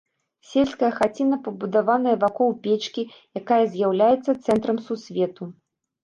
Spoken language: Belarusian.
Сельская хаціна пабудаваная вакол печкі, якая з'яўляецца цэнтрам сусвету.